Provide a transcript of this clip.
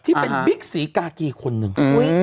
ที่เป็นบิ๊กศรีกากีคนหนึ่ง